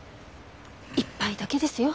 １杯だけですよ。